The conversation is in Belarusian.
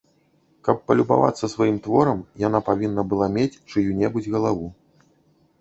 Каб палюбавацца сваім творам, яна павінна была мець чыю-небудзь галаву.